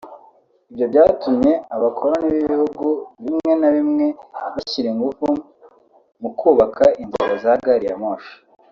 Ibyo byatumye abakoloni b’ibihugu bimwe na bimwe bashyira ingufu mu kubaka inzira za gari ya moshi